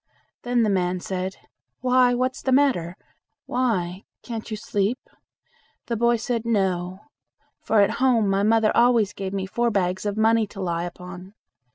Then the man said, "Why, what's the matter? why, can't you sleep?" The boy said "No; for at home my mother always gave me four bags of money to lie upon.